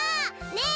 ねえ